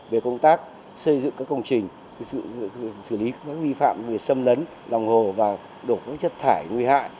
về công tác xây dựng các công trình xử lý các vi phạm về xâm lấn lòng hồ và đổ các chất thải nguy hại